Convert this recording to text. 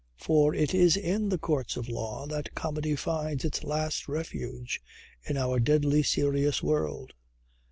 For it is in the Courts of Law that Comedy finds its last refuge in our deadly serious world.